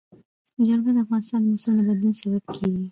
جلګه د افغانستان د موسم د بدلون سبب کېږي.